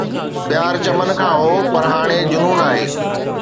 پيار چمن کان هو پر هاڻي جنون آهي